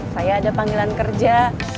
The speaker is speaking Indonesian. saya ada panggilan kerja